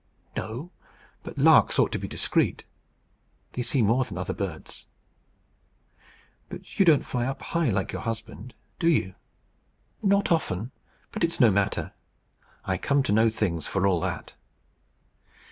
"No; but larks ought to be discreet. They see more than other birds." "But you don't fly up high like your husband, do you?" "Not often. But it's no matter. I come to know things for all that."